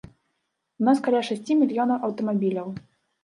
У нас каля шасці мільёнаў аўтамабіляў.